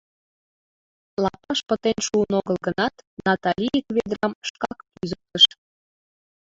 Лапаш пытен шуын огыл гынат, Натали ик ведрам шкак кӱзыктыш.